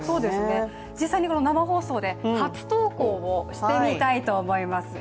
実際に、生放送で初投稿してみたいと思います。